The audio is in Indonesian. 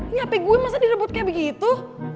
ini api gue masa direbut kayak begitu